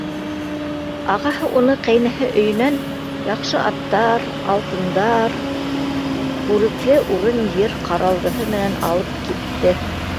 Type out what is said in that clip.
Ағаһы уны ҡәйнәһе өйөнән яҡшы аттар, алтындар, күрекле урын-ер ҡаралдыһы менән алып китте.